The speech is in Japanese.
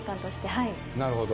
なるほど。